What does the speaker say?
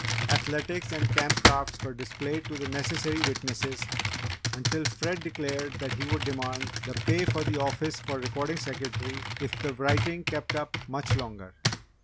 Athletics and Camp Crafts were displayed to the necessary witnesses until Fred declared that he would demand the pay for the office for Recording Secretary if the writing kept up much longer.